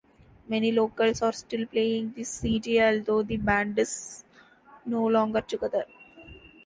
Many locals are still playing the CD although the band is no longer together.